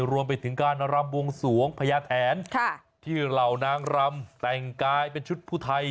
รวมไปถึงการรำบวงสวงพญาแถนที่เหล่านางรำแต่งกายเป็นชุดผู้ไทย